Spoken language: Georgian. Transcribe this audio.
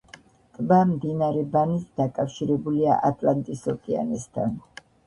ტბა მდინარე ბანით დაკავშირებულია ატლანტის ოკეანესთან.